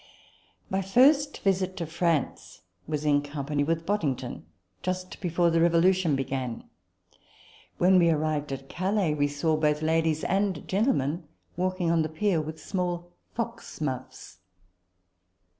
My first visit to France was in company with Boddington, just before the Revolution began. When we arrived at Calais, we saw both ladies and gentlemen walking on the pier with small fox muffs.